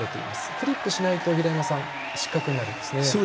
クリップしないと失格になるんですね。